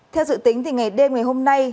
theo dự tính ngày đêm ngày hôm nay